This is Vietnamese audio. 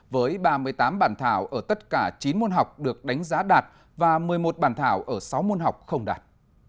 với ba mươi tám bản thảo ở tất cả chín môn học được đánh giá đạt và một mươi một bản thảo ở sáu môn học không đạt